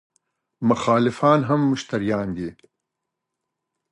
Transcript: مخالفان هم مشتریان دي.